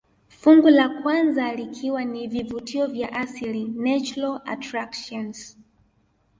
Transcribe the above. Fungu la kwanza likiwa ni vivutio vya asili natural attractions